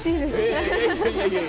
えいやいや。